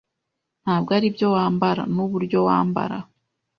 Ntabwo aribyo wambara, nuburyo wambara.